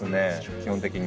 基本的に。